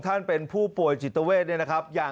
แถมยังไม่ยอมกลับอ่ะ